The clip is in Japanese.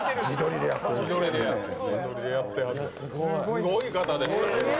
すごい方でした。